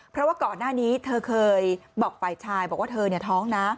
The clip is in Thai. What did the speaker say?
เพราะว่าก่อนหน้านี้เธอเคยบอกฝ่ายชายบอกว่าเธอท้องนะ